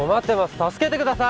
助けてください